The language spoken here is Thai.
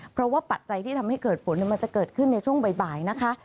เพราะว่าปัจจัยที่ทำให้เกิดฝนมันจะเกิดขึ้นในช่วงบ่ายนะคะ